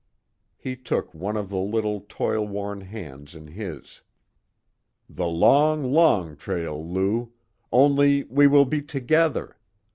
He took one of the little toil worn hands in his. "The long, long trail, Lou, only we will be together!